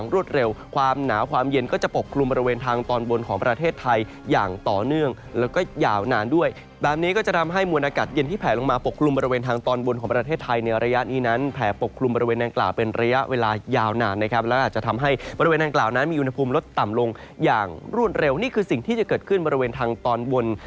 รวดเร็วความหนาวความเย็นก็จะปกกลุ่มบริเวณทางตอนบนของประเทศไทยอย่างต่อเนื่องแล้วก็ยาวนานด้วยแบบนี้ก็จะทำให้มวลอากาศเย็นที่แผลลงมาปกกลุ่มบริเวณทางตอนบนของประเทศไทยในระยะนี้นั้นแผ่ปกคลุมบริเวณดังกล่าวเป็นระยะเวลายาวนานนะครับและอาจจะทำให้บริเวณดังกล่าวนั้นมีอุณหภูมิลดต่ำลงอย่างรวดเร็วนี่คือสิ่งที่จะเกิดขึ้นบริเวณทางตอนบน